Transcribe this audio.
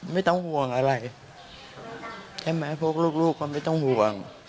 ไม่ต้องห่วงอะไรใช่ไหมพวกลูกก็ไม่ต้องห่วง